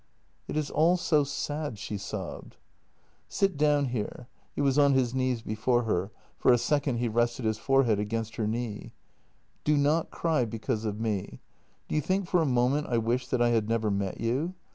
" "It is all so sad," she sobbed. " Sit down here." He was on his knees before her — for a second he rested his forehead against her knee. " Do not cry because of me. Do you think for a moment I wish that I had never met you?